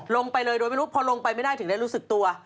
ลงไปเลยโดยไม่รู้พอลงไปไม่ได้ถึงได้รู้สึกตัว